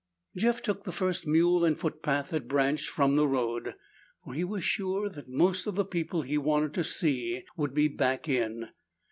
Jeff took the first mule and footpath that branched from the road, for he was sure that most of the people he wanted to see would be back in.